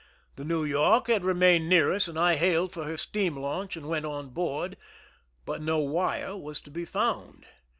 The Neiv York had remained near us, and I hailed for her steam launch and went on board, but no wire was to be found.